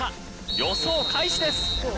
予想開始です。